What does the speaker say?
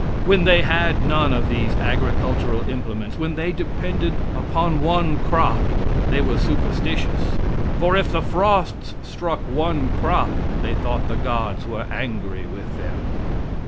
When they had none of these agricultural implements when they depended upon one crop they were superstitious, for if the frosts struck one crop they thought the gods were angry with them.